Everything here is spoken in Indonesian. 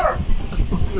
tidak tidak tidak